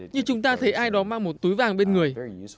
như chúng ta thấy ai đó mang một túi vàng bên người